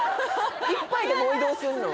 １杯でもう移動すんの？